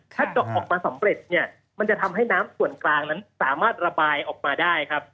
ถ้าเจาะออกมาสำเร็จเนี่ยมันจะทำให้น้ำส่วนกลางนั้นสามารถระบายออกมาได้ครับ